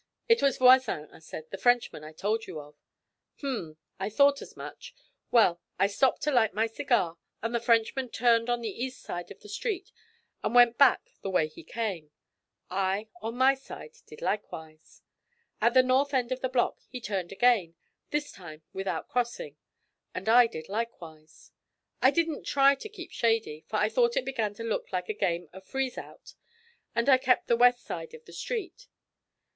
'It was Voisin,' I said. 'The Frenchman I told you of.' 'Um! I thought as much! Well, I stopped to light my cigar, and the Frenchman turned on the east side of the street and went back the way he came; I, on my side, did likewise. At the north end of the block he turned again, this time without crossing, and I did likewise. I didn't try to keep shady, for I thought it began to look like a game of freezeout, and I kept the west side of the street.